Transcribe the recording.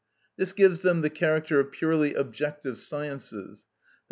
This gives them the character of purely objective sciences, _i.